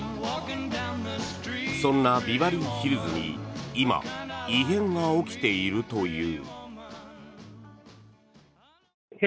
そんなビバリーヒルズに今異変が起きているという。